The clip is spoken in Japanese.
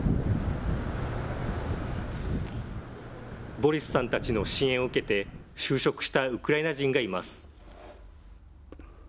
ボリスさんたちの支援を受けて、就職したウクライナ人がいます。